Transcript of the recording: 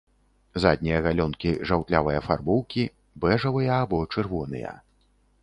Заднія галёнкі жаўтлявай афарбоўкі, бэжавыя або чырвоныя.